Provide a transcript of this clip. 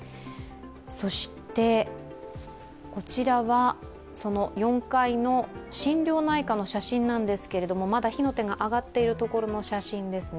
そしてこちらは４階の心療内科の写真ですが、まだ火の手が上がっているところの写真ですね。